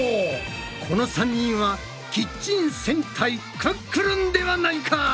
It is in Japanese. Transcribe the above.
この３人はキッチン戦隊クックルンではないか！